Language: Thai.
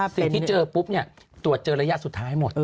สิ่งที่เจอปุ๊บเนี่ยตรวจเจอระยะสุดท้ายหมด